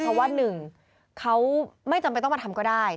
เพราะว่าหนึ่งเขาไม่จำเป็นต้องมาทำก็ได้